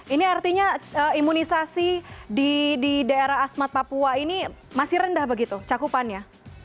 ini artinya imunisasi di daerah asmat papua ini masih rendah begitu cakupannya